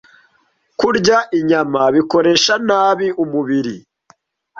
Kurya inyama bikoresha nabi umubiri